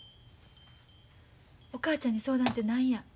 お母ちゃんに相談て何や？